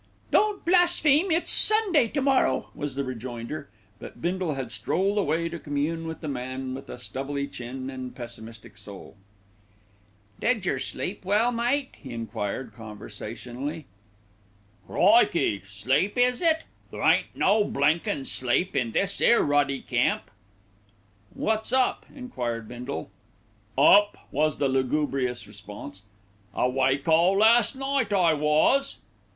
"Don't blaspheme. It's Sunday to morrow," was the rejoinder; but Bindle had strolled away to commune with the man with a stubbly chin and pessimistic soul. "Do yer sleep well, mate?" he enquired, conversationally. "Crikey! sleep is it? There ain't no blinkin' sleep in this 'ere ruddy camp." "Wot's up?" enquired Bindle. "Up!" was the lugubrious response. "Awake all last night, I was."